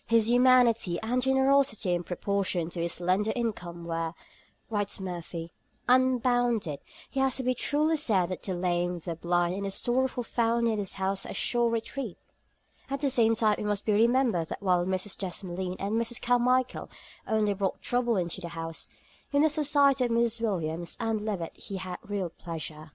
"' 'His humanity and generosity, in proportion to his slender income, were,' writes Murphy (Life, p. 146), 'unbounded. It has been truly said that the lame, the blind, and the sorrowful found in his house a sure retreat.' See also ante, iii. 222. At the same time it must be remembered that while Mrs. Desmoulins and Miss Carmichael only brought trouble into the house, in the society of Mrs. Williams and Levett he had real pleasure.